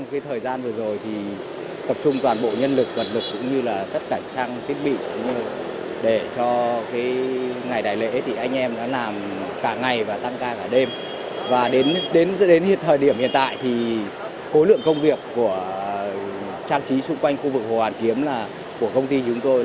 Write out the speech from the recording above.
khu vực bờ hồ hoàn kiếm của công ty chúng tôi gần như đã về cơ bản hoàn thành